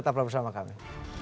tetap bersama kami